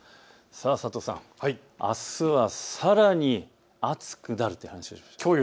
佐藤さん、あすはさらに暑くなるという話をしましょう。